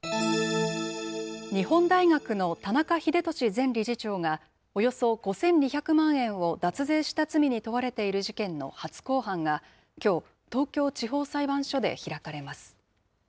日本大学の田中英壽前理事長が、およそ５２００万円を脱税した罪に問われている事件の初公判が、きょう、東京地方裁判所で開かれます。